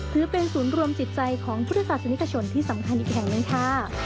ถือเป็นศูนย์รวมจิตใจของพุทธศาสนิกชนที่สำคัญอีกแห่งหนึ่งค่ะ